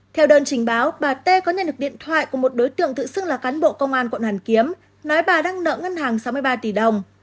theo đơn trình báo bà tê có nhận được điện thoại của một đối tượng thự xưng là cán bộ công an quận hàn kiếm nói bà đang nợ ngân hàng sáu mươi ba tỷ đồng